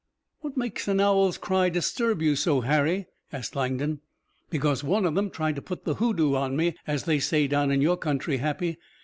"What makes an owl's cry disturb you so, Harry?" asked Langdon. "Because one of them tried to put the hoodoo on me as they say down in your country, Happy.